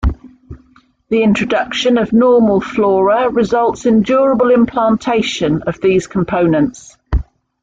The introduction of normal flora results in durable implantation of these components.